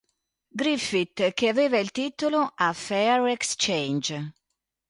Griffith che aveva il titolo "A Fair Exchange".